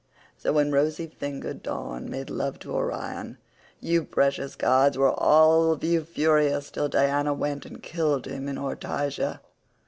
So when rosy fingered Dawn made love to Orion, you precious gods were all of you furious till Diana went and killed him in Ortygia.